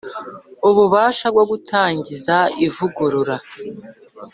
Ububasha bwo gutangiza ivugurura